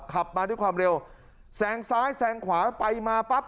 ขับมาด้วยความเร็วแซงซ้ายแซงขวาไปมาปั๊บ